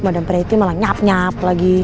madan pria itu malah nyap nyap lagi